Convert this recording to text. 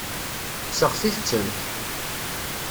Seɣtit-tent.